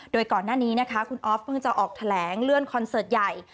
โดยก่อนหน้านี้นะคะคุณออฟเพิ่งจะออกแถลงเลื่อนคอนเสิร์ตใหญ่